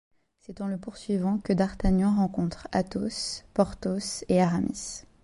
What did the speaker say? C'est en le poursuivant que D'Artagnan rencontre Athos, Porthos et Aramis.